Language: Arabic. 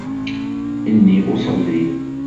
إني أصلي